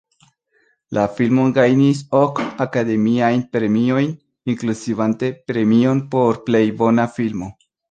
La filmo gajnis ok Akademiajn Premiojn, inkluzivante premion por plej bona filmo.